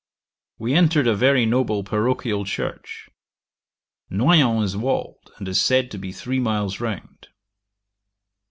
We entered a very noble parochial church. Noyon is walled, and is said to be three miles round.